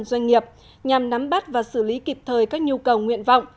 doanh nghiệp nhằm nắm bắt và xử lý kịp thời các nhu cầu nguyện vọng